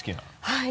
はい。